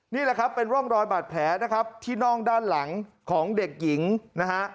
นี่แหละครับเป็นร่องรอยบาดแผลนะครับที่น่องด้านหลังของเด็กหญิงนะฮะ